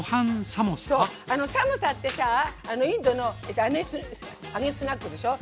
サモサってさあインドの揚げスナックでしょ。